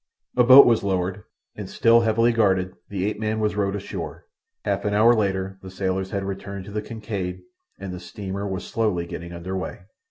A boat was lowered, and, still heavily guarded, the ape man was rowed ashore. Half an hour later the sailors had returned to the Kincaid, and the steamer was slowly getting under way.